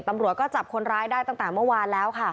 ตำรวจก็จับคนร้ายได้ตั้งแต่เมื่อวานแล้วค่ะ